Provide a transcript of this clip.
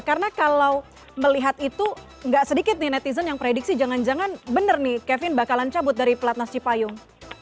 karena kalau melihat itu nggak sedikit netizen yang prediksi jangan jangan benar nih kevin bakalan cabut dari platnas cipayung